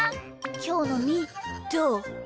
きょうのみーどう？